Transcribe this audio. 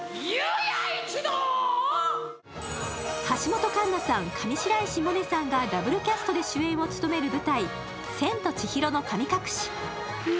橋本環奈さん、上白石萌音さんがダブルキャストで主演を務める舞台「千と千尋の神隠し」。